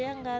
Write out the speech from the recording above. iya juga sih